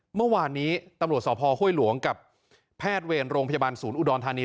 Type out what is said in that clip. เมื่อวานนี้ตำรวจสพห้วยหลวงกับแพทย์เวรโรงพยาบาลศูนย์อุดรธานี